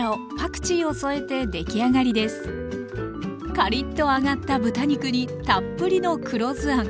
カリッと揚がった豚肉にたっぷりの黒酢あん。